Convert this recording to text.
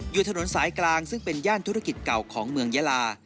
อยู่ถนนสายกลางซึ่งเป็นย่านธุรกิจเก่าของเมืองยาลา